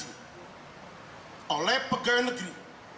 atau penerimaan hadiah atau janji oleh pegawai negeri